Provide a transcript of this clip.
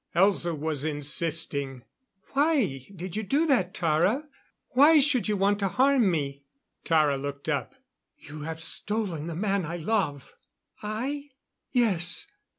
Elza was insisting: "Why did you do that, Tara? Why should you want to harm me?" Tara looked up. "You have stolen the man I love." "I?" "Yes.